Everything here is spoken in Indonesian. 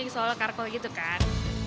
seolah olah charcoal gitu kan